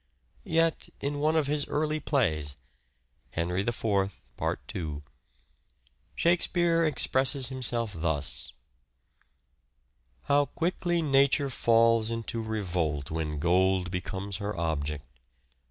Yet in one of his early plays ("Henry IV," part 2) " Shakespeare " expresses himself thus :—" How quickly nature falls into revolt When gold becomes her object.